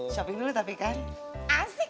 shopping dulu tapi kan asik